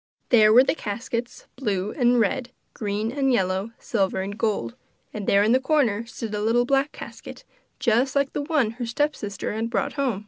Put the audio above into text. There were the caskets, blue and red, green and yellow, silver and gold; and there in the corner stood a little black casket just like the one her stepsister had brought home.